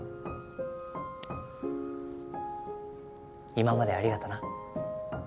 今までありがとな。